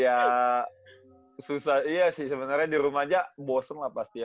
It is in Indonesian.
ya susah iya sih sebenarnya di rumah aja bosen lah pasti ya